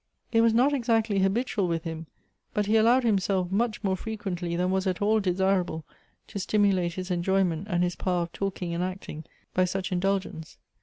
It was not exactly habitual with him, but he allowed himself much more frequently than was at all desirable to stimulate his enjoyment and his power of talking and acting by such indulgence.